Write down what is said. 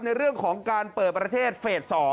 ในเรื่องของการเปิดประเทศเฟส๒